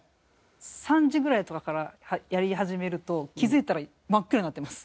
３時ぐらいとかからやり始めると気付いたら真っ暗になってます。